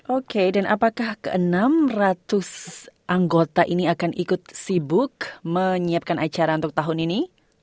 oke dan apakah ke enam ratus anggota ini akan ikut sibuk menyiapkan acara untuk tahun ini